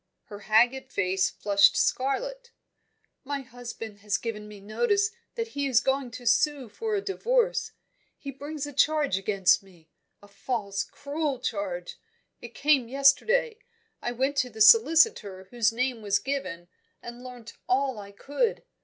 Her haggard face flushed scarlet. "My husband has given me notice that he is going to sue for a divorce. He brings a charge against me a false, cruel charge! It came yesterday. I went to the solicitor whose name was given, and learnt all I could.